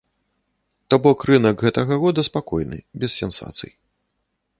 То бок рынак гэтага года спакойны, без сенсацый.